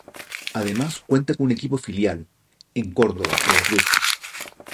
Además cuenta con un equipo filial, en Córdoba, Veracruz.